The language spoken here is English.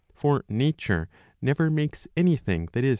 For nature never makes anything that is 691b.